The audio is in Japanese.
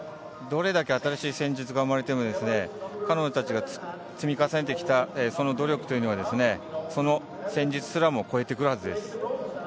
どれだけ新しい戦術が生まれても彼女たちが積み重ねてきた努力というのはその戦術すらも超えてくるはずです。